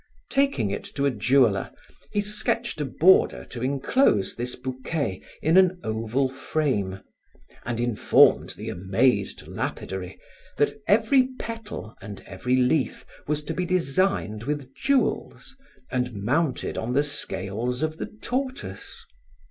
Taking it to a jeweler, he sketched a border to enclose this bouquet in an oval frame, and informed the amazed lapidary that every petal and every leaf was to be designed with jewels and mounted on the scales of the tortoise.